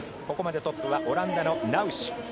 ここまでトップはオランダのナウシュ。